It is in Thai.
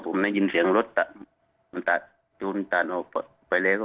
ผมได้ยินเสียงรถจูนตัดออกไปแล้ว